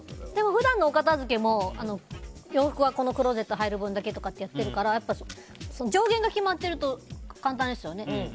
普段のお片付けも洋服はこのクローゼットに入る分だけとかやってるから上限が決まってると簡単ですよね。